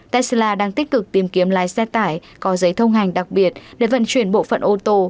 tesla đang tích cực tìm kiếm lái xe tải có giấy thông hành đặc biệt để vận chuyển bộ phận ô tô